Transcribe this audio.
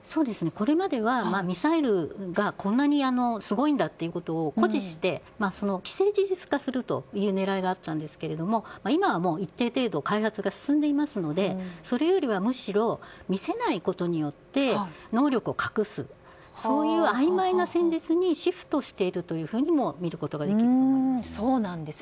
これまではミサイルがこんなにすごいんだということを誇示して、既成事実化するという狙いがあったんですが今は一定程度開発が進んでいますのでそれよりはむしろ見せないことによって能力を隠すそういうあいまいな戦術にシフトしているとみることができると思います。